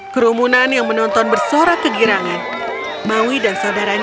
kami akan membuatnya empat jam untuk dirimu sendiri